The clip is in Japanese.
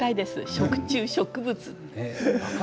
食虫植物。